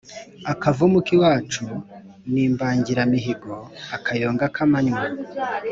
Akavumu k'iwacu ni imbangiramihigo-Akayonga k'amanywa.